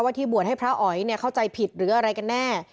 ที่บวชให้พระอ๋อยเข้าใจผิดหรืออะไรกันแน่